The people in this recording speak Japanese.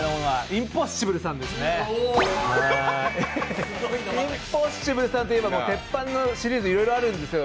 インポッシブルさんといえばテッパンのシリーズいろいろあるんですよ。